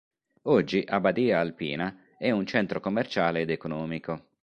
Oggi Abbadia Alpina è un centro commerciale ed economico.